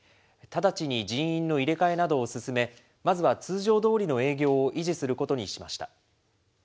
直ちに人員の入れ替えなどを進め、まずは通常どおりの営業を維持することにしました。